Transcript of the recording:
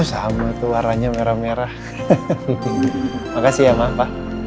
sama warahnya merah merah makasih ya mbak